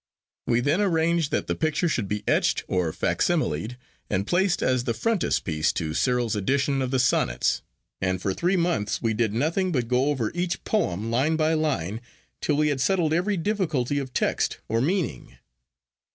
We then arranged that the picture should be etched or facsimiled, and placed as the frontispiece to Cyril's edition of the Sonnets; and for three months we did nothing but go over each poem line by line, till we had settled every difficulty of text or meaning.